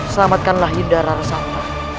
selamatkanlah yudhara santai